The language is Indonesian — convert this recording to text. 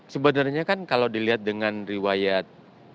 sebenarnya kan kalau dilihat dengan riwayat